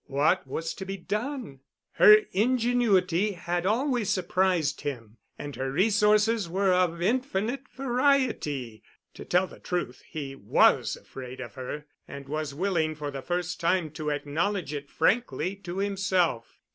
What was to be done? Her ingenuity had always surprised him, and her resources were of infinite variety. To tell the truth, he was afraid of her, and was willing for the first time to acknowledge it frankly to himself.